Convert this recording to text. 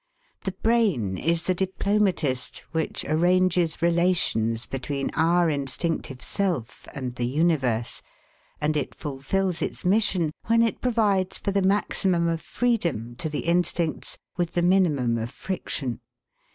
The brain is the diplomatist which arranges relations between our instinctive self and the universe, and it fulfils its mission when it provides for the maximum of freedom to the instincts with the minimum of friction.